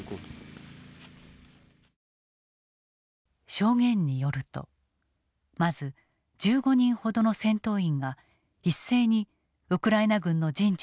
証言によるとまず１５人ほどの戦闘員が一斉にウクライナ軍の陣地に突撃する。